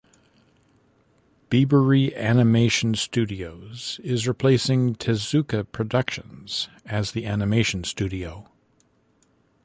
Bibury Animation Studios is replacing Tezuka Productions as the animation studio.